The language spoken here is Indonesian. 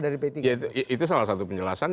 dari p tiga itu salah satu penjelasan